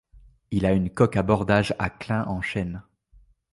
Il a une coque à bordages à clin en chêne.